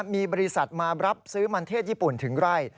มีบริษัทมารับซื้อมันเทศญี่ปุ่นถึงไร่